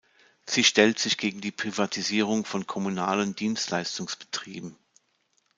Sie stellt sich gegen die Privatisierung von kommunalen Dienstleistungsbetrieben.